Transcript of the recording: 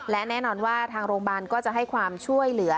และแน่นอนว่าทางโรงพยาบาลก็จะให้ความช่วยเหลือ